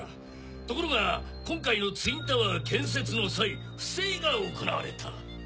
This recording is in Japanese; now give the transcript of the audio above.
ところが今回のツインタワー建設の際不正が行われた。